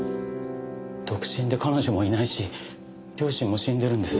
独身で彼女もいないし両親も死んでるんです。